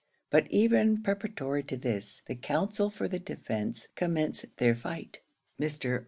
But even preparatory to this, the counsel for the defence commence their fight. Mr.